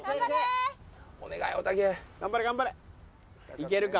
いけるか？